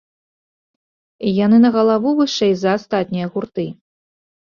Яны на галаву вышэй за астатнія гурты.